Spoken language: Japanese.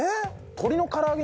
鶏の唐揚げ